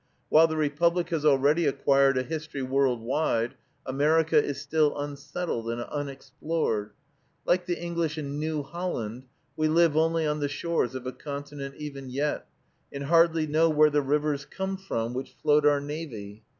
While the Republic has already acquired a history world wide, America is still unsettled and unexplored. Like the English in New Holland, we live only on the shores of a continent even yet, and hardly know where the rivers come from which float our navy.